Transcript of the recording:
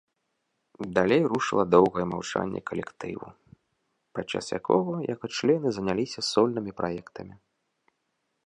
Далей рушыла доўгае маўчанне калектыву, падчас якога яго члены заняліся сольнымі праектамі.